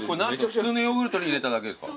普通のヨーグルトに入れただけですか？